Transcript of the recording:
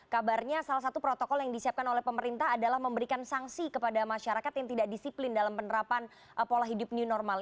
kabarnya salah satu protokol yang disiapkan oleh pemerintah adalah memberikan sanksi kepada masyarakat yang tidak disiplin dalam penerapan pola hidup new normal